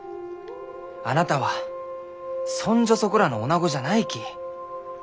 あなたはそんじょそこらのおなごじゃないき。